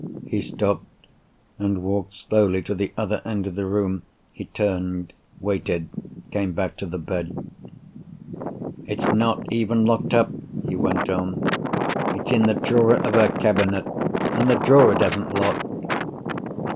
He stopped, and walked slowly to the other end of the room. He turned—waited—came back to the bed. "It's not even locked up," he went on. "It's in the drawer of her cabinet. And the drawer doesn't lock."